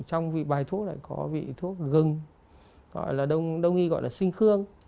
trong vị bài thuốc lại có vị thuốc gừng gọi là đông nghi gọi là sinh khương